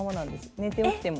寝て起きても。